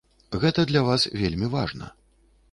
Гэта для вас вельмі важна.